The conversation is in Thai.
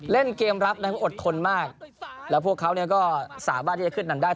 เล่นเกมรับนะครับอดทนมากแล้วพวกเขาก็สามารถที่จะขึ้นนำได้